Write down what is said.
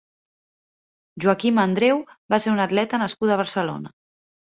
Joaquima Andreu va ser una atleta nascuda a Barcelona.